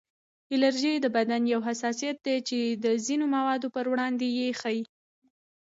الرژي د بدن یو حساسیت دی چې د ځینو موادو پر وړاندې یې ښیي